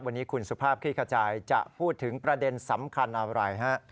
วันนี้คุณสุภาพคลี่ขจายจะพูดถึงประเด็นสำคัญอะไรฮะ